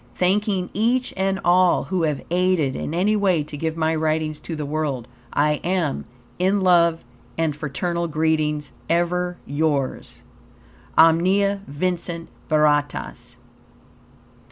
Thanking each and all who have aided in any way to give my writings to the world, I am, in love and fraternal greetings, ever yours. Omnia Vincit Veritas.